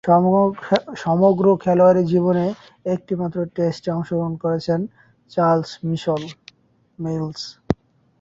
সমগ্র খেলোয়াড়ী জীবনে একটিমাত্র টেস্টে অংশগ্রহণ করেছেন চার্লস মিলস।